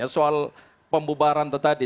soal pembubaran tadi